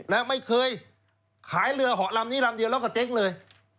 และไม่เคยขายเรือเหาะลำนี้ลำเดียวแล้วกับเจ๊งเลย